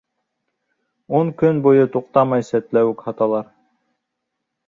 Ун көн буйы туҡтамай сәтләүек һаталар.